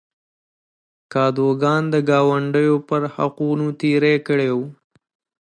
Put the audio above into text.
کادوګان د ګاونډیو پر حقونو تېری کړی و.